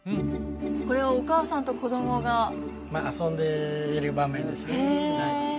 これはお母さんと子供が遊んでいる場面ですねへえ